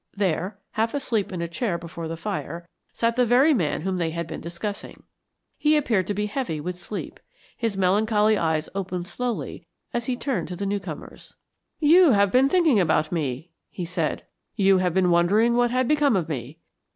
There, half asleep in a chair before the fire, sat the very man whom they had been discussing. He appeared to be heavy with sleep his melancholy eyes opened slowly as he turned to the newcomers. "You have been thinking about me," he said "you have been wondering what had become of me.